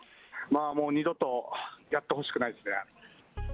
もう二度とやってほしくないですね。